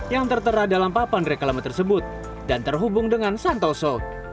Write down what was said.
yang tertera dalam papan reklame tersebut dan terhubung dengan santoso